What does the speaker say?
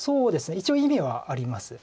一応意味はあります。